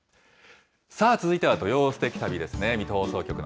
続いては土曜すてき旅ですね。